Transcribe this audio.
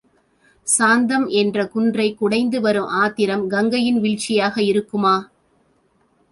சாந்தம் என்ற குன்றைக் குடைந்து வரும் ஆத்திரம் கங்கையின் வீழ்ச்சியாக இருக்குமா?